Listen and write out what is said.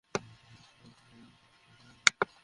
আমি এটাই শুনতে চেয়েছিলাম, আমার বাচ্চা।